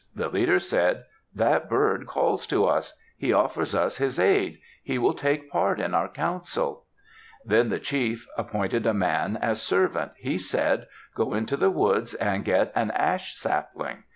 The leader said, "That bird calls to us. He offers us his aid. He will take part in our council." Then the chief appointed a man as servant. He said, "Go into the woods and get an ash sapling."